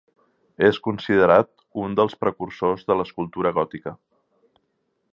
És considerat un dels precursors de l'escultura gòtica.